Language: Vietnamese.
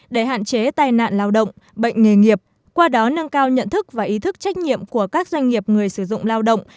để hạn chế tai nạn lao động bệnh nghề nghiệp qua đó nâng cao nhận thức và ý thức trách nhiệm của các doanh nghiệp người sử dụng lao động